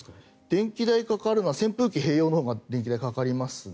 電気代かかるのは扇風機併用のほうがかかりますね。